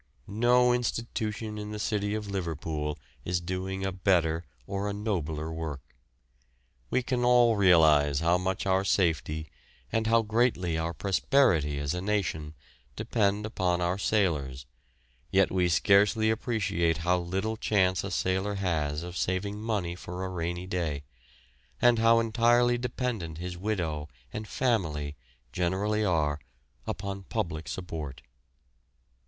No institution in the city of Liverpool is doing a better or a nobler work. We can all realise how much our safety, and how greatly our prosperity as a nation, depend upon our sailors, yet we scarcely appreciate how little chance a sailor has of saving money for a rainy day, and how entirely dependent his widow and family generally are upon public support.